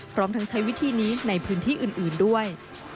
พร้อมทั้งใช้วิธีนี้ในพื้นที่อื่นด้วย